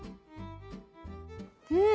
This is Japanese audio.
うん！